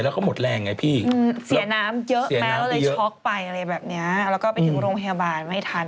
แล้วก็ไปที่โรงพยาบาลไม่ทัน